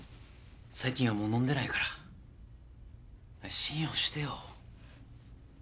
最近はもう飲んでないから信用してよ。